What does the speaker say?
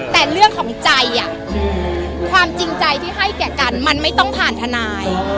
แต่เรื่องของใจความจริงใจที่ให้แก่กันมันไม่ต้องผ่านทนาย